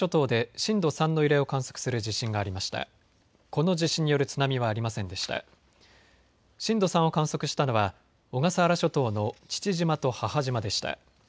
震度３を観測したのは小笠原諸島の父島と母島でした。